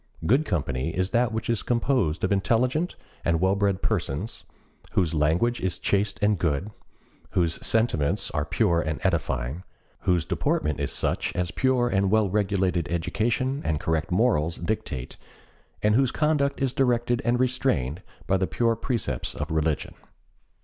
Good company is that which is composed of intelligent and well bred persons, whose language is chaste and good, whose sentiments are pure and edifying, whose deportment is such as pure and well regulated education and correct morals dictate, and whose conduct is directed and restrained by the pure precepts of religion.